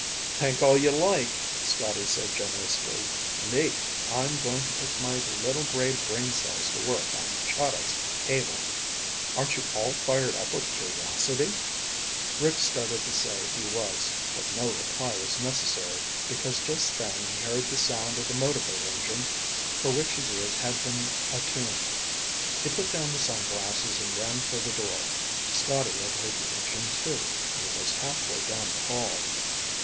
"Think all you like," Scotty said generously. "Me, I'm going to put my little gray brain cells to work on Chahda's cable. Aren't you all fired up with curiosity?" Rick started to say he was, but no reply was necessary because just then he heard the sound of the motorboat engine for which his ears had been attuned. He put down the sunglasses and ran for the door. Scotty had heard the engine, too, and was halfway down the hall.